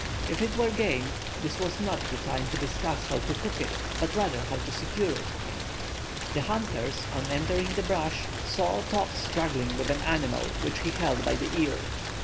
If it was game, this was not the time to discuss how to cook it, but rather how to secure it. The hunters, on entering the brush, saw Top struggling with an animal which he held by the ear.